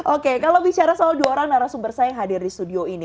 oke kalau bicara soal dua orang narasumber saya yang hadir di studio ini